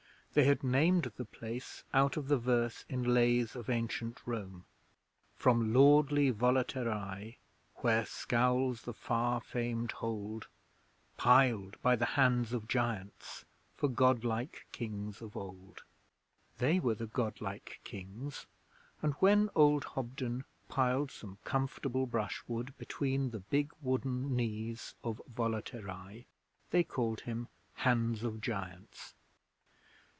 They had named the place out of the verse in Lays of Ancient Rome: From lordly Volaterrae, Where scowls the far famed hold Piled by the hands of giants For Godlike Kings of old. They were the 'Godlike Kings', and when old Hobden piled some comfortable brushwood between the big wooden knees of Volaterrae, they called him 'Hands of Giants'.